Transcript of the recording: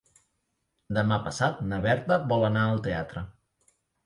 Demà passat na Berta vol anar al teatre.